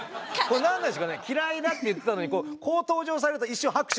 何ですかね嫌いだって言ってたのにこう登場されると一瞬拍手したくなる。